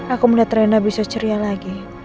aku mudah terendah bisa ceria lagi